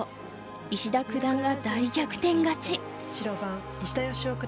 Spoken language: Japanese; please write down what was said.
石田九段が大逆転勝ち。